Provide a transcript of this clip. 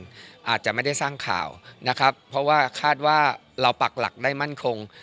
อาจจะไม่ได้สร้างข่าวนะครับเพราะว่าคาดว่าเราปักหลักได้มั่นคง